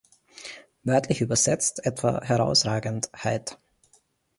Wörtlich übersetzt etwa "Herausragend-heit".